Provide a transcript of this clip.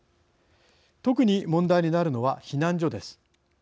特に問題になるのは避難所です。